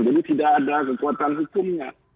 jadi tidak ada kekuatan hukumnya